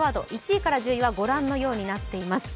１位から１０位は御覧のようになっています。